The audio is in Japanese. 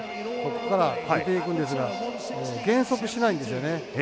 ここから入れていくんですが減速しないんですよね。